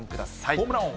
ホームラン王。